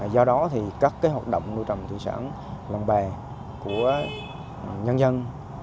do đó thì các hoạt động nuôi trồng thủy sản lồng bè của nhân dân